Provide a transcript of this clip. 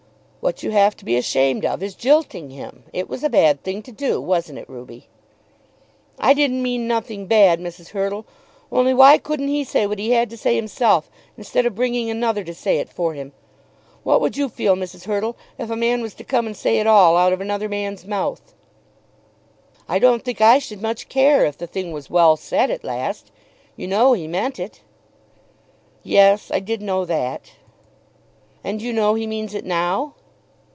What you have to be ashamed of is jilting him. It was a bad thing to do; wasn't it, Ruby?" "I didn't mean nothing bad, Mrs. Hurtle; only why couldn't he say what he had to say himself, instead of bringing another to say it for him? What would you feel, Mrs. Hurtle, if a man was to come and say it all out of another man's mouth?" "I don't think I should much care if the thing was well said at last. You know he meant it." "Yes; I did know that." "And you know he means it now?"